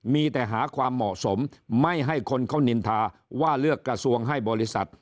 มีแต่หาความเหมาะสมไม่ให้คนเขานินทาว่าเลือกกระทรวงให้บริษัท